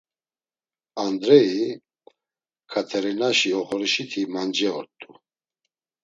Andreyi, Katerinaşi oxorişiti mance ort̆u.